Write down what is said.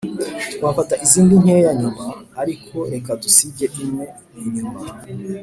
twafata izindi nkeya nyuma, ariko reka dusige imwe inyuma.